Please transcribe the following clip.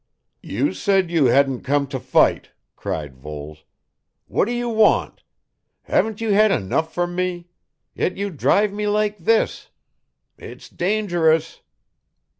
"You said you hadn't come to fight," cried Voles. "What do you want? Haven't you had enough from me? Yet you drive me like this. It's dangerous."